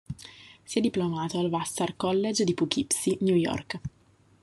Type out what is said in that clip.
Si è diplomato al Vassar College di Poughkeepsie, New York.